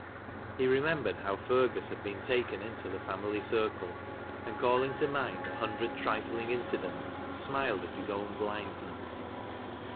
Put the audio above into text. He remembered how Fergus had been taken into the family circle, and calling to mind a liundred trifling incidents, smiled at his own blindness.